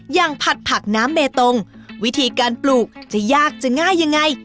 ผัดผักน้ำเบตงวิธีการปลูกจะยากจะง่ายยังไง